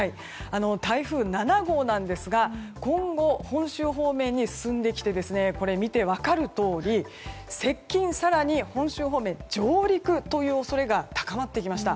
台風７号ですが今後、本州方面に進んできて、見て分かるとおり接近、更に本州方面上陸の恐れが高まってきました。